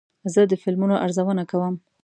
زه د فلمونو ارزونه کوم.